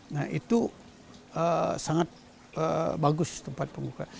nah itu sangat bagus tempat pembuka